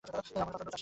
আমরা স্বতন্ত্র চাষী।